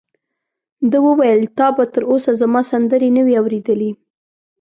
ده وویل: تا به تر اوسه زما سندرې نه وي اورېدلې؟